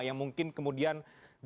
yang mungkin kemudian